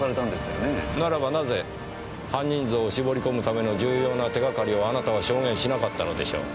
ならばなぜ犯人像を絞り込むための重要な手がかりをあなたは証言しなかったのでしょう。